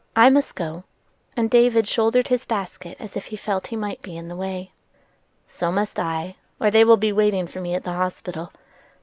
"I must go," and David shouldered his basket as if he felt he might be in the way. "So must I, or they will be waiting for me at the hospital.